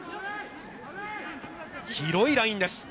広いラインです。